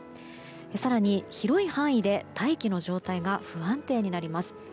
更に、広い範囲で大気の状態が不安定になります。